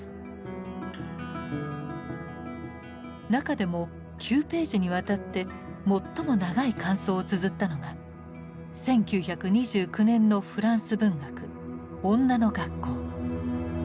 中でも９ページにわたって最も長い感想をつづったのが１９２９年のフランス文学「女の学校」。